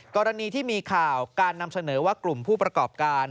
กรณีที่มีข่าวการนำเสนอว่ากลุ่มผู้ประกอบการ